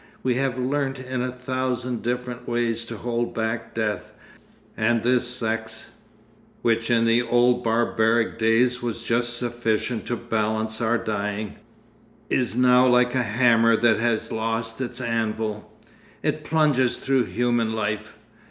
We have learnt in a thousand different ways to hold back death, and this sex, which in the old barbaric days was just sufficient to balance our dying, is now like a hammer that has lost its anvil, it plunges through human life.